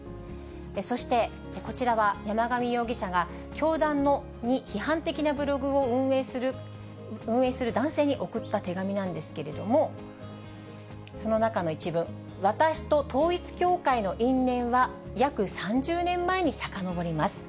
そして、こちらは山上容疑者が教団に批判的なブログを運営する男性に送った手紙なんですけれども、その中の一文、私と統一教会の因縁は、約３０年前にさかのぼります。